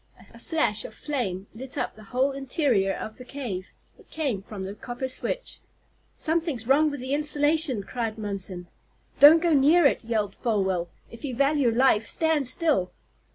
A flash of flame lit up the whole interior of the cave. It came from the copper switch. "Something's wrong with the insulation!" cried Munson. "Don't go near it!" yelled Folwell. "If you value your life, stand still!"